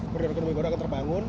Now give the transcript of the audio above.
kemudian ekonomi baru akan terbangun